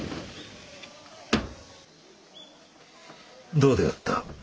どうであった？